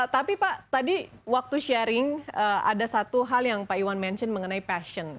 tapi pak tadi waktu sharing ada satu hal yang pak iwan mention mengenai passion